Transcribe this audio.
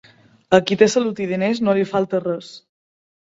A qui té salut i diners no li falta res.